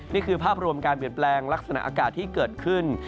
นี่คือภาพรวมการเปลี่ยนแปลงลักษณะอากาศที่เกิดขึ้น